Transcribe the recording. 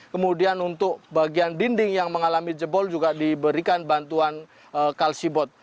kemudian untuk bagian dinding yang mengalami jebol juga diberikan bantuan kalsibot